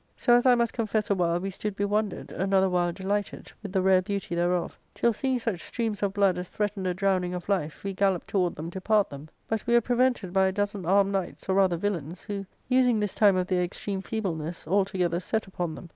So as I must confess awhile we stood bewondered, another while delighted, with the rare beauty thereof, till, seeing such streams of blood as threatened a drowning of life, we galloped toward them to part them. But we were prevented by a dozen armed knights, or rather villains, who, using this time of their extreme feebleness, all together set upon them.